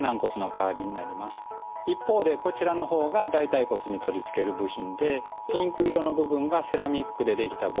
一方でこちらの方が大腿骨に取り付ける部品でピンク色の部分がセラミックで出来たボール。